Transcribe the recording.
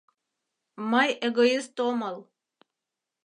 Мый эгоист омыл.